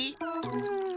うん。